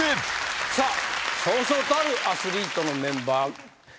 さあそうそうたるアスリートのメンバー。